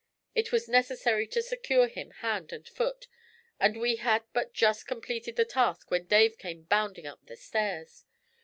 It was necessary to secure him hand and foot, and we had but just completed the task when Dave came bounding up the stairs.